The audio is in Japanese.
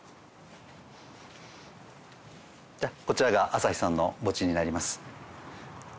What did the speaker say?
こちらが朝日さんの墓地になります。